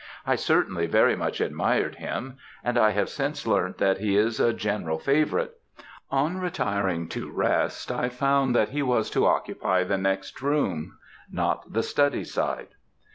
I certainly very much admired him, and I have since learnt that he is a general favourite. On retiring to rest I found that he was to occupy the next room not the study side.